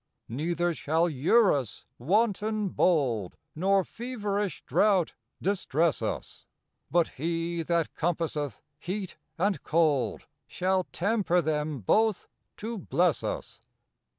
Neither shall Eurus, wanton bold, Nor feverish drought distress us, But he that compasseth heat and cold Shall temper them both to bless us.